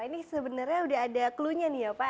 ini sebenarnya sudah ada cluenya nih ya pak